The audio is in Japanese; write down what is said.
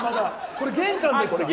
これ玄関ですか？